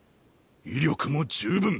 威力も十分。